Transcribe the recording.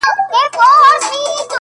• چي پر ستوني به یې زور وکړ یو نوکی,